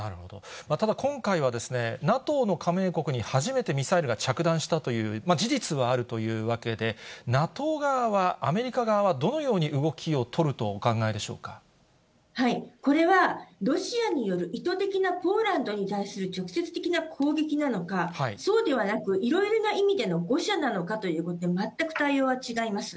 ただ今回は、ＮＡＴＯの加盟国に初めてミサイルが着弾したという事実はあるというわけで、ＮＡＴＯ側はアメリカ側は、どのように動きを取るとこれは、ロシアによる意図的なポーランドに対する直接的な攻撃なのか、そうではなく、いろいろな意味での誤射なのかということで、全く対応は違います。